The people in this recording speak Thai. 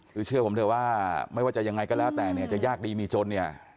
คือเชื่อผมเถอะว่าไม่ว่าจะยังไงก็แล้วแต่เนี่ยจะยากดีมีจนเนี่ย